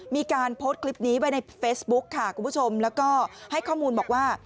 มีการโพสต์คลิปนี้ไว้ในเฟซบุ๊คค่ะคุณผู้ชมแล้วก็ให้ข้อมูลบอกว่า